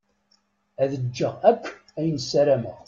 Ad ǧǧeɣ akk ayen ssarameɣ.